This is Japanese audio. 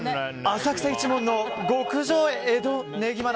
浅草一文の極上江戸ねぎま